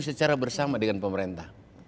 secara bersama dengan pemerintah